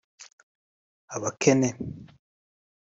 Abakene